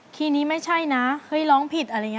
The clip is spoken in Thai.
ทีนี้ไม่ใช่นะเฮ้ยร้องผิดอะไรอย่างนี้